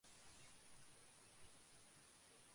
কেউ আমাকে একটা ভাইকোডিন এনে দেবে প্লিজ?